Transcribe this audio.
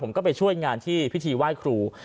ไปช่วยงานที่พิธีไหว้ครู